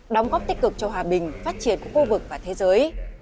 đóng góp tích cực cho hòa bình phát triển của khu vực và thế giới